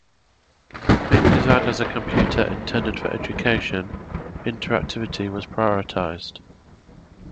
Being designed as a computer intended for education, interactivity was prioritized.